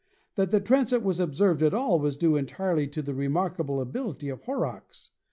That the transit was observed at all was due entirely to the remarkable ability of Hor rocks.